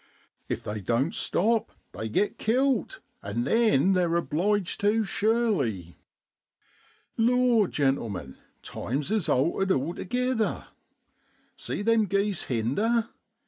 If they don't stop they git kilt, and then they're obliged tu, sure ly. 1 Lor, gentlemen, times is altered altogither. See them geese hinder?